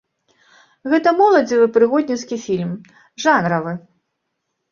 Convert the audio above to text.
Гэта моладзевы прыгодніцкі фільм, жанравы.